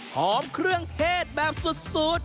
เครื่องเทศแบบสุด